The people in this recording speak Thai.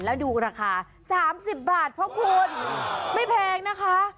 แล้วดูราคา๓๐บาทเพราะคุณไม่แพงนะคะ